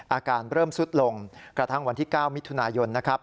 อาการเริ่มสุดลงกระทั่งวันที่๙มิถุนายนนะครับ